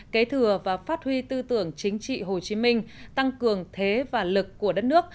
kế thừa và phát huy tư tưởng chính trị hồ chí minh tăng cường thế và lực của đất nước